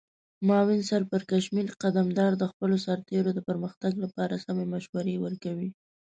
معاون سرپرکمشر قدمدار د خپلو سرتیرو د پرمختګ لپاره سمې مشورې ورکوي.